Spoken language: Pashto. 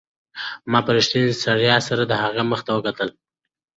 ما په رښتینې ستړیا سره د هغې مخ ته وکتل.